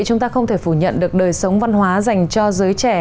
chúng ta không thể phủ nhận được đời sống văn hóa dành cho giới trẻ